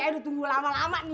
eh udah tunggu lama lama nih